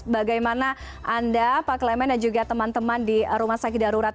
bagaimana anda pak klement dan juga teman teman di rumah sakit darurat